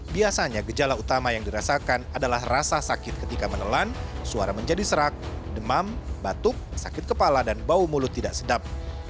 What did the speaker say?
biasanya gejala utama yang dirasakan adalah rasa sakit ketika menelan suara menjadi serak demam batuk sakit kepala dan bau mulut tidak sedap